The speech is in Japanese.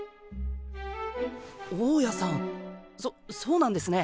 大家さんそそうなんですね。